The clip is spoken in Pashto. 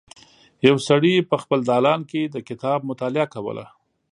یو سړی په خپل دالان کې کتاب مطالعه کوله.